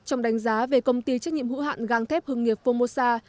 trong đánh giá về công ty trách nhiệm hữu hạn găng thép hương nghiệp phomosa